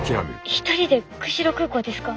一人で釧路空港ですか？